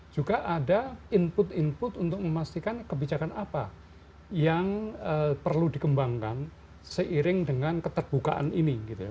juga ada input input untuk memastikan kebijakan apa yang perlu dikembangkan seiring dengan keterbukaan ini